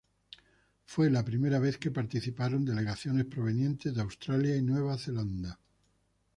Fue la primera vez que participaron delegaciones provenientes de Australia y Nueva Zelanda.